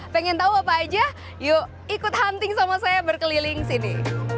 pengen tahu apa aja yuk ikut hunting sama saya berkeliling sini